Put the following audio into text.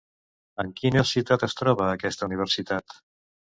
En quina ciutat es troba aquesta universitat?